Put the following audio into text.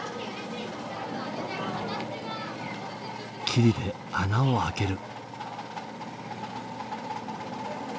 きりで穴を開ける。